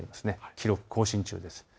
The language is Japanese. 記録更新中です。